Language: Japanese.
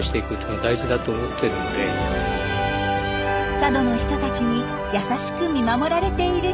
佐渡の人たちに優しく見守られているトキ。